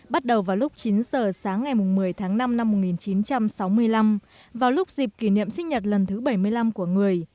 bắt đầu vào lúc chín giờ sáng ngày một mươi tháng năm năm một nghìn chín trăm sáu mươi năm vào lúc dịp kỷ niệm sinh nhật lần thứ bảy mươi năm của người